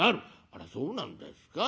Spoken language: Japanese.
「あらそうなんですか。